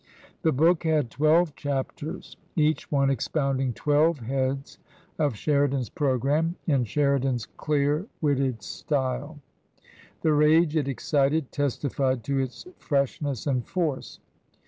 The Book had twelve chapters, each one expounding twelve heads of Sheridan's programme, in Sheridan's clear witted style. The rage it excited testified to its freshness and force.